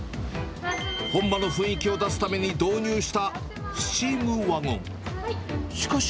本場の雰囲気を出すために導入したスチームワゴン。